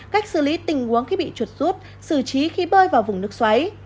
cách xử lý tình huống khi bị chuột rút xử trí khi bơi vào vùng nước xoáy